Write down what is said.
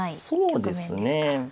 そうですね。